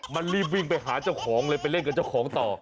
มันรีบวิ่งไปหาเจ้าของเลยไปเล่นกับเจ้าของต่อ